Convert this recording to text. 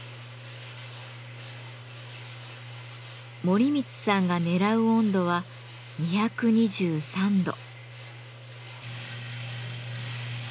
森光さんが狙う温度は２２３度。